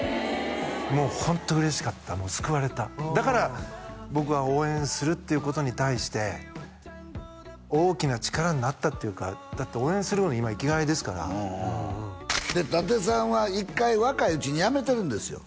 もうホント嬉しかった救われただから僕は応援するっていうことに対して大きな力になったっていうかだって応援するのが今生きがいですから伊達さんは１回若いうちにやめてるんですよ